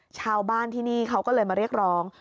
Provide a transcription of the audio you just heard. ชาวบ้านที่นี่เขาก็เลยมาเรียกร้อง